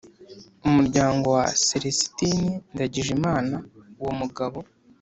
umuryango wa selesitini ndagijimana uwo mugabo